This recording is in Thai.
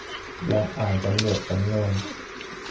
ลองอ่านสำรวจสำนวน